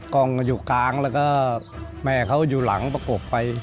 กล้องอยู่กลางแล้วก็แม่เขาอยู่หลังประกบไป